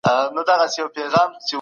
بخښنه وکړئ.